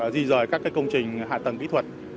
di dời các công trình hạ tầng kỹ thuật